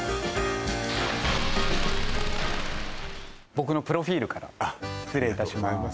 僕のプロフィールから失礼いたします